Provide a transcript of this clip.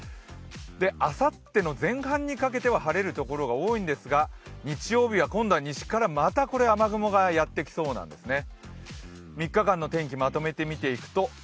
あさっての前半にかけては晴れる所が多いんですが日曜日は今度は西からまた雨雲がやってきそうなんですね。